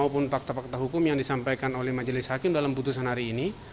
maupun fakta fakta hukum yang disampaikan oleh majelis hakim dalam putusan hari ini